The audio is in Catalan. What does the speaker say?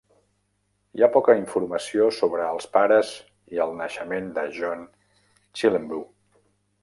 Hi ha poca informació sobre els pares i el naixement de John Chilembwe.